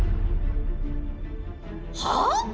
はあ⁉